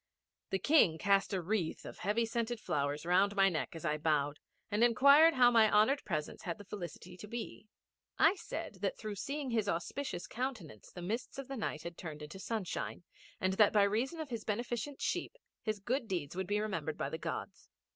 The King cast a wreath of heavy scented flowers round my neck as I bowed, and inquired how my honoured presence had the felicity to be. I said that through seeing his auspicious countenance the mists of the night had turned into sunshine, and that by reason of his beneficent sheep his good deeds would be remembered by the Gods.